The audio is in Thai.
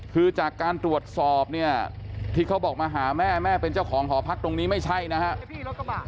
คือจากการตรวจสอบเนี่ยที่เขาบอกมาหาแม่แม่เป็นเจ้าของหอพักตรงนี้ไม่ใช่นะครับ